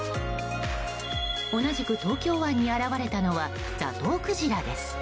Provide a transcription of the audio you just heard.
同じく東京湾に現れたのはザトウクジラです。